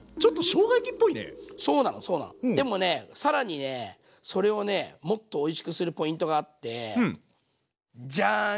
でもね更にねそれをねもっとおいしくするポイントがあってジャーン！